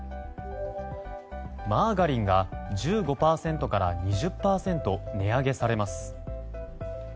マーガリンが１５％から２０％値上げされます。